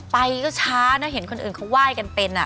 ไปก็ช้านะเห็นคนอื่นเขาไหว้กันเป็น